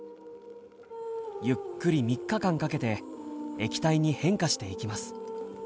ゆっくり３日間かけて液体に変化していきます。